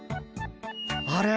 あれ？